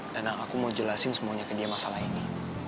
dan aku mau jelasin semuanya ke dia masalah ini